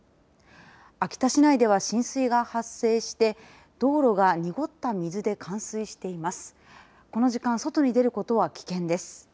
秋田市内では浸水が発生して道路が濁った水で冠水しています。